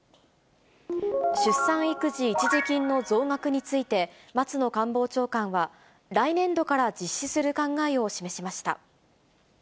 出産育児一時金の増額について、松野官房長官は、来年度から実施する考えを示しました。